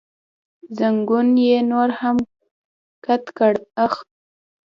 زنګون یې نور هم کت کړ، اخ.